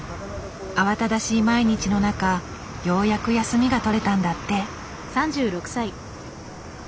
慌ただしい毎日の中ようやく休みが取れたんだって。